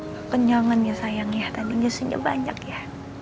kekenyangan ya sayang ya tadi nyusunya banyak ya